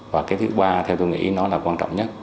và cái thứ ba theo tôi nghĩ nó là quan trọng nhất